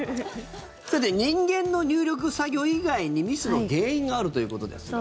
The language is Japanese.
人間の入力作業以外にミスの原因があるということですが。